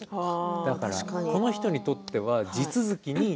だからこの人にとっては地続き。